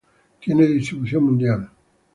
Tiene distribución mundial.